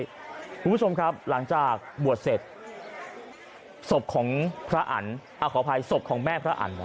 คุณผู้ชมครับหลังจากบวชเสร็จศพของพระอันขออภัยศพของแม่พระอัน